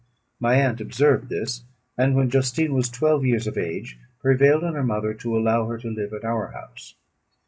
My aunt observed this; and, when Justine was twelve years of age, prevailed on her mother to allow her to live at our house.